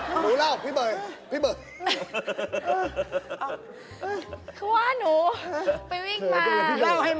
หนูเล่าน่ะหนูไม่ต้องเหนื่อย